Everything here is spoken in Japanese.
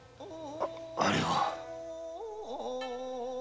あれは？